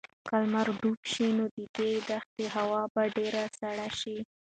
که لمر ډوب شي نو د دې دښتې هوا به ډېره سړه شي.